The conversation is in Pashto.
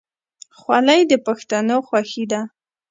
خولۍ د پښتنو خوښي ده.